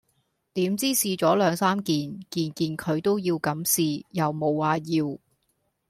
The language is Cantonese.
點知試左兩三件，件件佢都要咁試又無話要